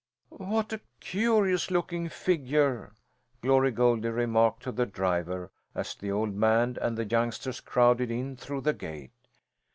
"What a curious looking figure!" Glory Goldie remarked to the driver as the old man and the youngsters crowded in through the gate.